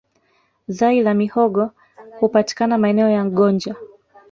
Zai la mihogo hupatikana maeneo ya gonja